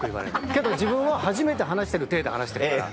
けど自分は初めて話してる体で話してるから。